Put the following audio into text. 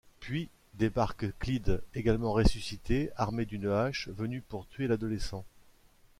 Puis débarque Clyde, également ressuscité, armé d'une hache, venu pour tuer l'adolescent.